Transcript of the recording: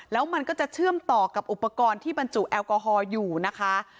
แล้วมันก็จะเชื่อมต่อกับอุปกรณ์ที่บรรจุแอลกอฮอล์อยู่นะคะ